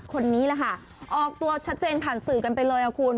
คนนี้แหละค่ะออกตัวชัดเจนผ่านสื่อกันไปเลยค่ะคุณ